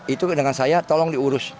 itu dengan saya tolong diurus